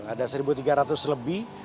ada satu tiga ratus lebih